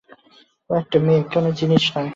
ও একটা মেয়ে, কোনো জিনিস নয়।